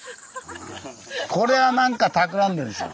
これはなんかたくらんでるでしょ。